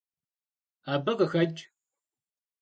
Абы къыхэкӀ.